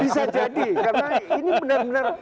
bisa jadi karena ini benar benar